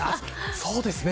そうですね。